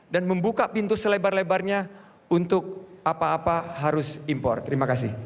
dan membuka pintu selebar lebarnya untuk apa apa harus impor terima kasih